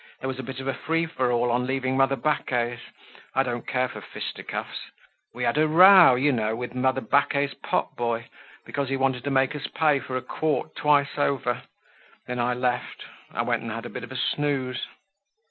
"There was a bit of a free for all on leaving mother Baquet's. I don't care for fisticuffs. We had a row, you know, with mother Baquet's pot boy, because he wanted to make us pay for a quart twice over. Then I left. I went and had a bit of a snooze."